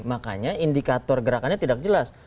makanya indikator gerakannya tidak jelas